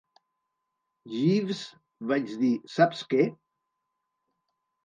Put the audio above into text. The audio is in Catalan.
"Jeeves", vaig dir "saps què?